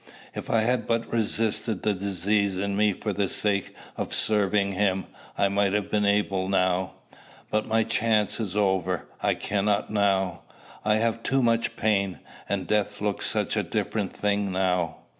If I had but resisted the disease in me for the sake of serving him, I might have been able now: but my chance is over; I cannot now; I have too much pain. And death looks such a different thing now!